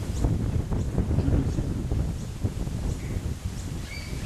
Je le sais à peu près.